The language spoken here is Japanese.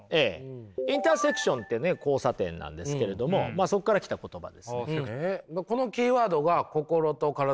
インターセクションってね交差点なんですけれどもそこから来た言葉です。